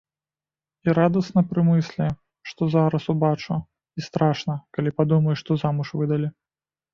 І радасна пры мыслі, што зараз убачу, і страшна, калі падумаю, што замуж выдалі.